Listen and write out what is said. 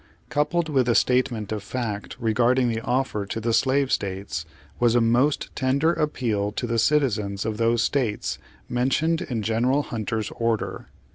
Coupled with the statement of fact regarding the offer to the slave states, was a most tender appeal to the citizens of those states mentioned in General Hunter's order.